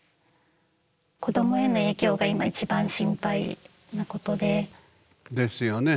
子どもへの影響が今一番心配なことで。ですよね。